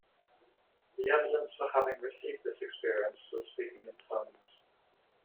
The evidence for having received this experience was speaking in tongues.